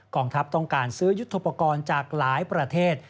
ทัพต้องการซื้อยุทธโปรกรณ์จากหลายประเทศ